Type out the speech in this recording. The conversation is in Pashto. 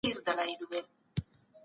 عبدالکريم کاکړ ملا فرح الدين